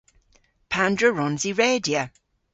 Pandr'a wrons i redya?